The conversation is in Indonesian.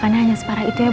cambah ket kraj gita otos